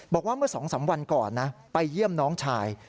บอกว่าเมื่อ๒๓วันก่อนนะไปเยี่ยมน้องชาย